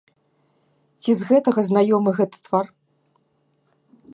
Ці з гэтага знаёмы гэты твар?